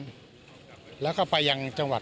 ว่าจะผ่านแดนไปยังมาเลสเซียนะครับ